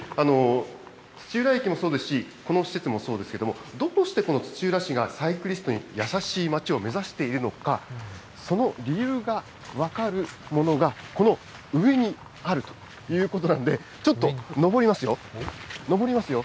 土浦駅もそうですし、この施設もそうですけども、どうしてこの土浦市がサイクリストに優しい街を目指しているのか、その理由が分かるものが、この上にあるということなんで、ちょっと上りますよ、上りますよ。